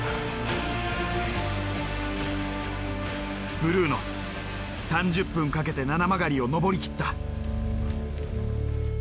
ブルーノ３０分かけて七曲がりを上り切った。